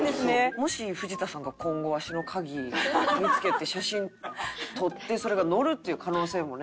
もし藤田さんが今後わしの鍵見付けて写真撮ってそれが載るっていう可能性もね。